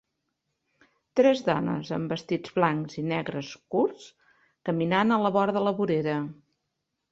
Tres dones amb vestits blancs i negres curts caminant a la vora de la vorera.